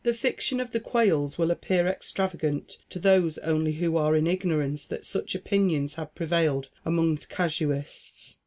The fiction of the quails will appear extravagant to those only who are in ignorance that such opinions have prevailed among casuists.